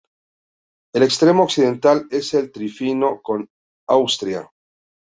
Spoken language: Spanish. El extremo occidental es el trifinio con Austria.